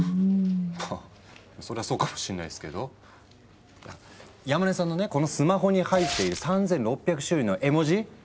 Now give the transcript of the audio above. まあそれはそうかもしんないすけど山根さんのねこのスマホに入っている３，６００種類の絵文字。